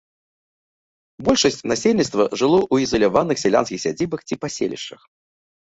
Большасць насельніцтва жыло ў ізаляваных сялянскіх сядзібах ці паселішчах.